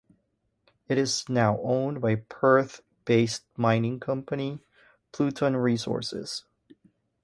It is now owned by Perth-based mining company, Pluton Resources.